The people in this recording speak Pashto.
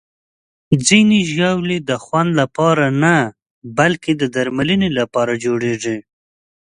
ځینې ژاولې د خوند لپاره نه، بلکې د درملنې لپاره جوړېږي.